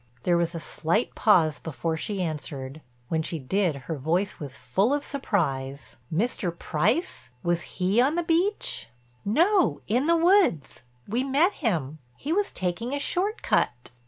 There was a slight pause before she answered; when she did her voice was full of surprise: "Mr. Price! Was he on the beach?" "No, in the woods. We met him. He was taking a short cut."